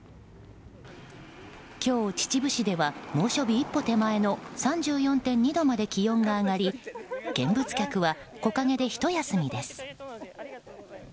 今日、秩父市では猛暑日一歩手前の３４．２度まで気温が上がり見物客は木陰でひと休みです。